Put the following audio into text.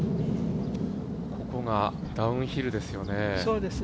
ここがダウンヒルですよね。